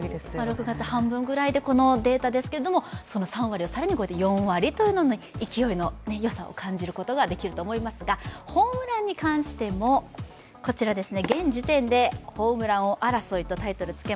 ６月半分ぐらいでこのデータですけれども、その３割を超えて４割というのが勢いの良さを感じることができますが、ホームランに関してもこちらです。